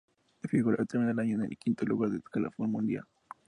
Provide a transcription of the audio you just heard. Figueroa terminó el año en el quinto lugar del escalafón mundial.